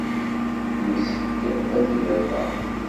Yessefk ad t-id-afeɣ.